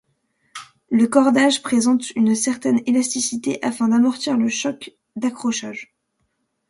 Le cordage présente une certaine élasticité afin d'amortir le choc d'accrochage.